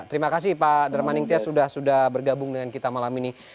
terima kasih pak darmaning tias sudah bergabung dengan kita malam ini